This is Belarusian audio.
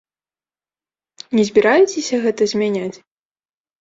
Не збіраецеся гэта змяняць?